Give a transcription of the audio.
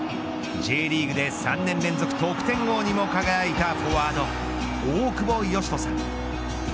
Ｊリーグで３年連続得点王にも輝いたフォワード大久保嘉人選手。